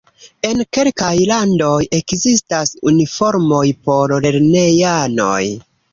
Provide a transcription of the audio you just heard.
En kelkaj landoj ekzistas uniformoj por lernejanoj.